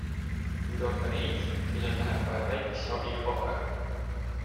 Kuid on ka neid, kellel läheb vaja väikest abi juba varem.